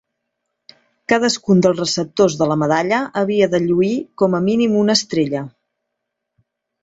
Cadascun dels receptors de la medalla havia de lluir com a mínim una estrella.